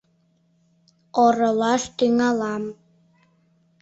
Оролаш тӱҥалам.